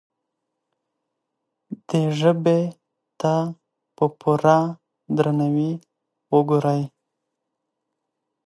دې ژبې ته په پوره درناوي وګورئ.